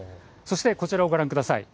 こちらをご覧ください。